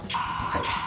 はい。